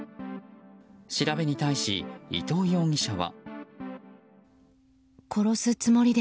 調べに対し、伊藤容疑者は。